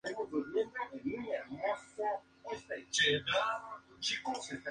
Su casa en Valparaíso albergaría a grandes personajes de la historia nacional.